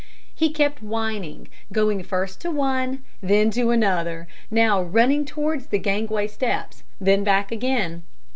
He kept whining, going first to one, then to another, now running towards the gangway steps, then back again.